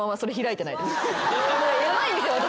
ヤバいんですよ私。